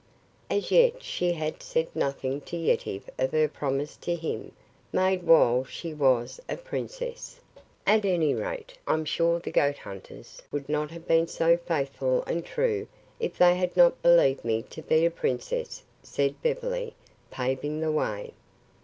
As yet she had said nothing to Yetive of her promise to him, made while she was a princess. "At any rate, I'm sure the goat hunters would not have been so faithful and true if they had not believed me to be a princess," said Beverly, paving the way.